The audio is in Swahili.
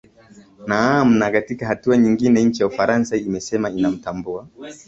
naam na katika hatua nyingine nchi ya ufaransa imesema inamtambua